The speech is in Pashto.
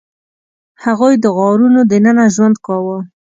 هغوی د غارونو دننه ژوند کاوه.